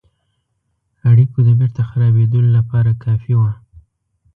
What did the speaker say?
اړېکو د بیرته خرابېدلو لپاره کافي وه.